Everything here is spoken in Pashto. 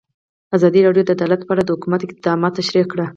ازادي راډیو د عدالت په اړه د حکومت اقدامات تشریح کړي.